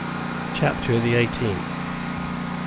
CHAPTER THE EIGHTEENTH.